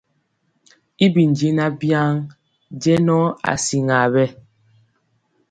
Y bi jɛɛnaŋ waŋ jɛŋɔ asiaŋ bɛ.